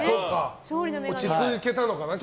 落ち着けたのかな。